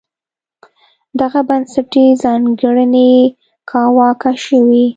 دغه بنسټي ځانګړنې کاواکه شوې.